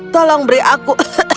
tolong beri aku